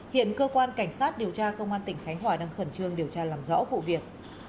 hiện cơ quan cảnh sát điều tra công an tỉnh khánh hòa đang khẩn trương điều tra làm rõ vụ việc